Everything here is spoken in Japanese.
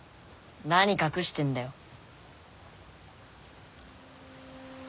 何隠してんだよ？